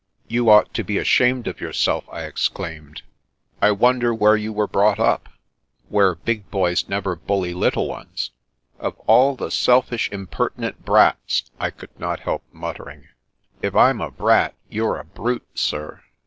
" You ought to be ashamed of yourself," I exclaimed. " I wonder where you were brought up ?"" Where big boys never bully little ones." " Of all the selfish, impertinent brats !" I could not help muttering. " If I'm a brat, you're a brute, sir.